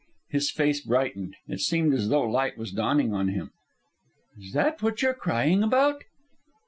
His face brightened. It seemed as though light was dawning on him. "Is that what you're crying about?"